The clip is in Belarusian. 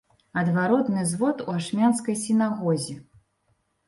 Адваротны звод у ашмянскай сінагозе.